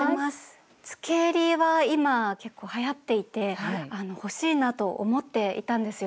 つけえりは今結構はやっていて欲しいなと思っていたんですよ。